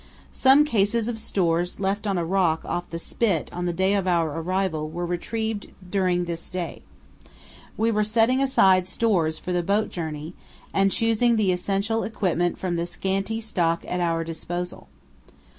Some cases of stores left on a rock off the spit on the day of our arrival were retrieved during this day. We were setting aside stores for the boat journey and choosing the essential equipment from the scanty stock at our disposal.